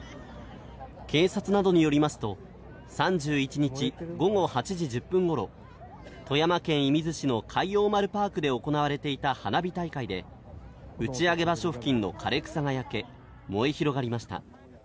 警察などによりますと、３１日午後８時１０分ごろ、富山県射水市の海王丸パークで行われていた花火大会で、打ち上げ場所付近の枯れ草が焼け、燃え広がりました。